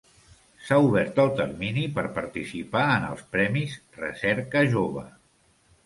S'ha obert el termini per participar en els Premis Recerca Jove.